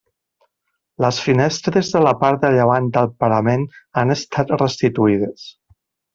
Les finestres de la part de llevant del parament han estat restituïdes.